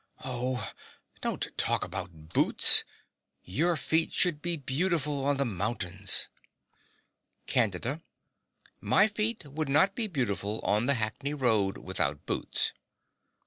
Oh! don't talk about boots. Your feet should be beautiful on the mountains. CANDIDA. My feet would not be beautiful on the Hackney Road without boots.